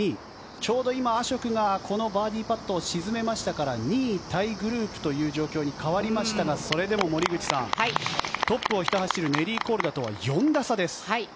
ちょうど今、アショクがこのパットを沈みましたから２位タイグループという状況に変わりましたがそれでも森口さんトップをひた走るネリー・コルダとは４打差です。